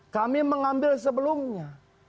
kami mengambil sebelumnya